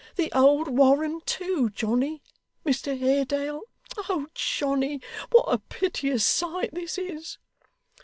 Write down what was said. The old Warren too, Johnny Mr Haredale oh, Johnny, what a piteous sight this is!